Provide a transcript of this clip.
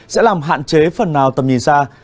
sẽ làm hạn chế phần nào tầm nhìn xa